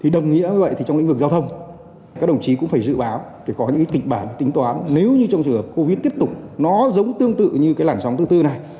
đồng nghĩa như vậy thì trong lĩnh vực giao thông các đồng chí cũng phải dự báo để có những kịch bản tính toán nếu như trong trường hợp covid tiếp tục nó giống tương tự như cái lãnh sóng thứ tư này